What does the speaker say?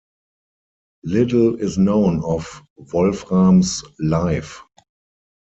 Little is known of Wolfram's life.